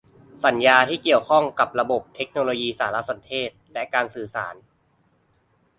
สัญญาที่เกี่ยวข้องกับระบบเทคโนโลยีสารสนเทศและการสื่อสาร